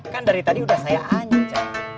kan dari tadi udah saya anjing